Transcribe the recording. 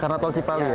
karena tol cipali ya